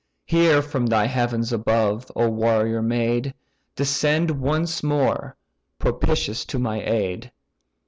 Hear from thy heavens above, O warrior maid! Descend once more, propitious to my aid.